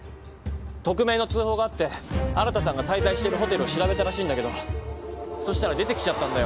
匿名の通報があって新さんが滞在してるホテルを調べたらしいんだけどそしたら出てきちゃったんだよ。